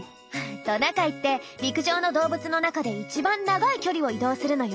トナカイって陸上の動物の中で一番長い距離を移動するのよ。